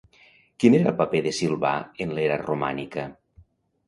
Quin era el paper de Silvà en l'era romànica?